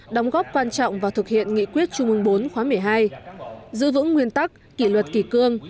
đóng góp quan trọng vào thực hiện nghị quyết trung ương bốn khóa một mươi hai giữ vững nguyên tắc kỷ luật kỷ cương